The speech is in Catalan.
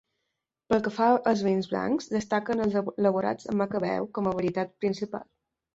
Pel que fa als vins blancs, destaquen els elaborats amb macabeu com a varietat principal.